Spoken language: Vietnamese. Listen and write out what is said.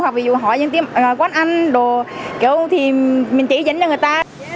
hoặc ví dụ hỏi những quán ăn đồ kiểu thì mình chỉ dành cho người ta